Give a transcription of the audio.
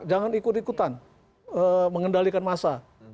jangan ikut ikutan mengendalikan massa